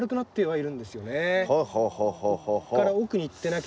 はい。